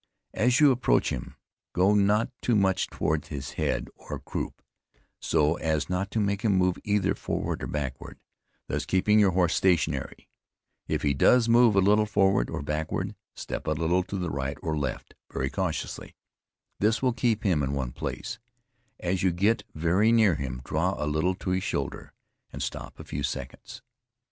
As you approach him, go not too much towards his head or croop, so as not to make him move either forward or backward, thus keeping your horse stationary, if he does move a little forward or backward, step a little to the right or left very cautiously; this will keep him in one place, as you get very near him, draw a little to his shoulder, and stop a few seconds.